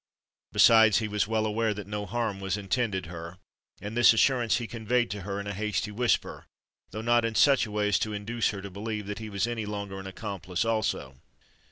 Besides, he was well aware that no harm was intended her; and this assurance he conveyed to her in a hasty whisper—though not in such a way as to induce her to believe that he was any longer an accomplice also.